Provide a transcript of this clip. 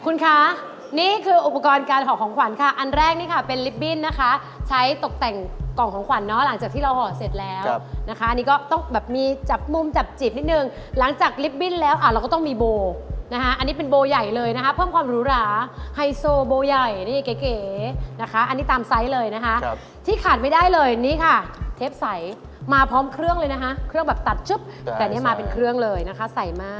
คุณคะนี่คืออุปกรณ์การห่อของขวัญค่ะอันแรกนี่ค่ะเป็นลิฟต์บิ้นนะคะใช้ตกแต่งกล่องของขวัญเนาะหลังจากที่เราห่อเสร็จแล้วนะคะอันนี้ก็ต้องแบบมีจับมุมจับจีบนิดนึงหลังจากลิฟต์บิ้นแล้วอ่าเราก็ต้องมีโบว์นะคะอันนี้เป็นโบว์ใหญ่เลยนะคะเพิ่มความรูหราไฮโซโบว์ใหญ่นี่เก๋นะคะอันนี้ตามไซส์เลยนะคะ